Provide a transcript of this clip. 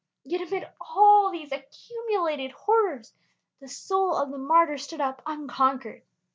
Yet amid all these accumulated horrors the soul of the martyr stood up unconquered.